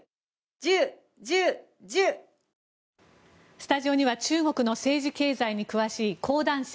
スタジオには中国の政治・経済に詳しい講談社